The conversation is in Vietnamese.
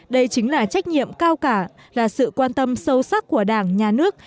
đây chính là trách nhiệm cao cả là sự quan tâm sâu sắc của đảng nhà nước